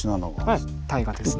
はい大河ですね。